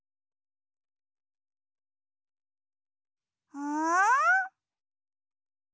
うん？